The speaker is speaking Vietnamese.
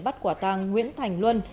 bắt quả tăng nguyễn thành luân